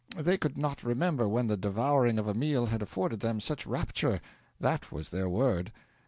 They could not remember when the devouring of a meal had afforded them such rapture that was their word.